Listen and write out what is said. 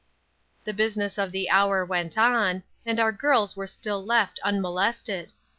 The business of the hour went on, and our girls were still left unmolested.